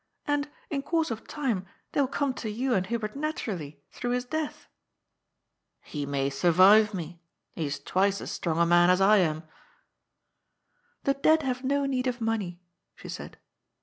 And, in course of time, they will come to you and Hubert naturally, through his death." " He may surviye me. He is twice as strong a man as I am." " The dead have no need of money," she s^d.